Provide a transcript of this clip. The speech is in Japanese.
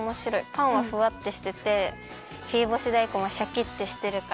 パンはふわってしてて切りぼしだいこんはシャキってしてるから。